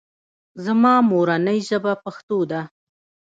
زما مورنۍ ژبه پښتو ده